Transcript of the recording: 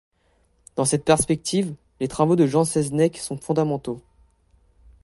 Dans cette perspective, les travaux de Jean Seznec sont fondamentaux.